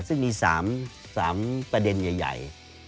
ซึ่งมี๓ประเด็นใหญ่